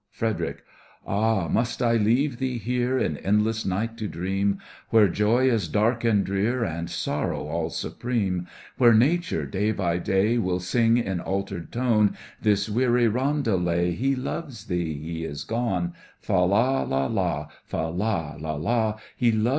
FREDERIC: Ah, must I leave thee here In endless night to dream, Where joy is dark and drear, And sorrow all supreme— Where nature, day by day, Will sing, in altered tone, This weary roundelay, "He loves thee— he is gone. Fa la, la la, Fa la, la la.